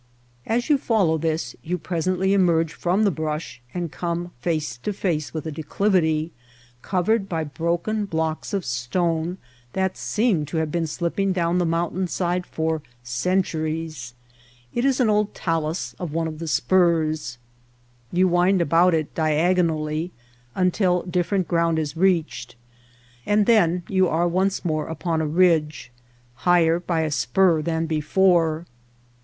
As you follow this you presently emerge from the brush and come face to face with a declivity, covered by broken blocks of stone that seem to have been slipping down the mountain side for cen MOUNTAIN BARRIERS 219 turies. It is an old talus of one of the spurs. You wind about it diagonally until different ground is reached, and then you are once more upon a ridge — higher by a spur than before.